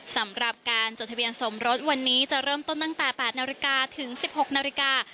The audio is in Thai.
สำหรับการจดทะเบียนสมรสวันนี้จะเริ่มต้นตั้งแต่๘นาฬิกาถึง๑๖นาฬิกา